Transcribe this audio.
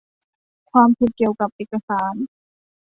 ความผิดเกี่ยวกับเอกสาร